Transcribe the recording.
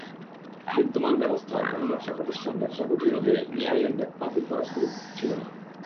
বিদ্যমান ব্যবস্থায় কোনো ব্যবসাপ্রতিষ্ঠান ব্যবসা গুটিয়ে নিলে বিআইএন বাতিল করার সুযোগ ছিল না।